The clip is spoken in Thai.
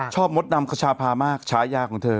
ชอบมดดำกระชาพามากชายาของเธอ